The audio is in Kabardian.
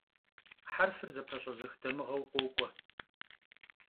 Herfır zepeş'ezıx damığeu khok'ue.